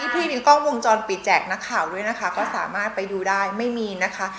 พี่มีกล้องวงจรปิดแจกนักข่าวด้วยนะคะก็สามารถไปดูได้ไม่มีนะคะ